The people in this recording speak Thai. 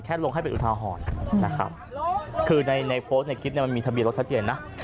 แค่ลงให้เป็นอุทาหรณ์นะครับคือในโพสต์ในคลิปมันมีทะเบียรถทัศนนะ